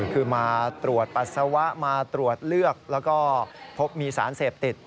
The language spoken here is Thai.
คือมาตรวจปัสสาวะมาตรวจเลือกแล้วก็พบมีสารเสพติด